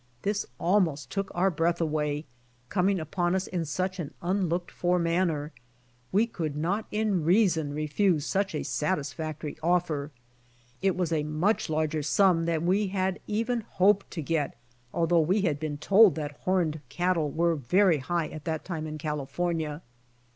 This almost took our breath away, coming upon us in such an unlooked for manner. We could not in reason refuse such a satisfactory offer. It was a much larger sum than we had even hoped to get although we had been told that horned cattle were very high at that time in California.